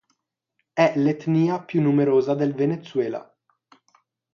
È l'etnia più numerosa del Venezuela.